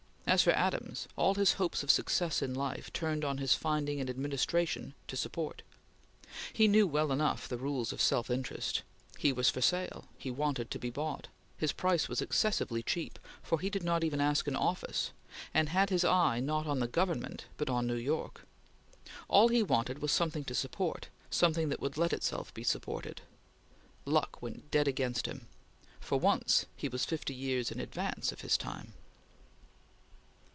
As for Adams, all his hopes of success in life turned on his finding an administration to support. He knew well enough the rules of self interest. He was for sale. He wanted to be bought. His price was excessively cheap, for he did not even ask an office, and had his eye, not on the Government, but on New York. All he wanted was something to support; something that would let itself be supported. Luck went dead against him. For once, he was fifty years in advance of his time.